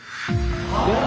えっ？